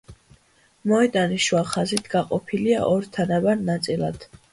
მოედანი შუა ხაზით გაყოფილია ორ თანაბარ ნაწილად.